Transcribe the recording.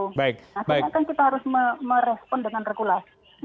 nah sehingga kan kita harus merespon dengan regulasi